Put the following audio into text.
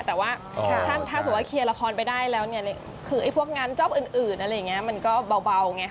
แต่ว่าถ้าสมมุติว่าเคลียร์ละครไปได้แล้วเนี่ยคือไอ้พวกงานจ๊อปอื่นอะไรอย่างนี้มันก็เบาไง